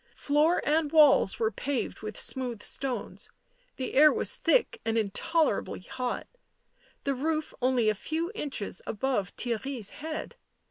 Floor and walls were paved with smooth stones, the air was thick and intolerably hot ; the roof only a few inches above Theirry' s head.